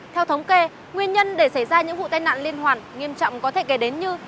theo thống kê nguyên nhân để xảy ra những vụ tai nạn liên hoàn nghiêm trọng có thể kể đến như